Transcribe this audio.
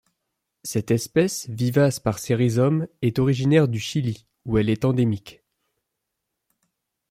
Cette espèce, vivace par ses rhizomes, est originaire du Chili où elle est endémique.